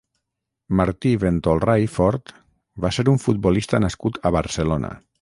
Martí Ventolrà i Fort va ser un futbolista nascut a Barcelona.